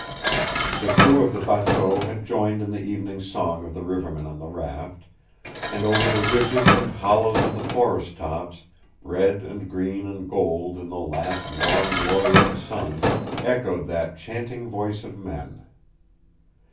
The crew of the bateau had joined in the evening song of the rivermen on the raft, and over the ridges and hollows of the forest tops, red and green and gold in the last warm glory of the sun, echoed that chanting voice of men.